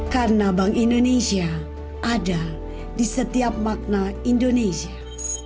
karena bank indonesia ada di setiap makna indonesia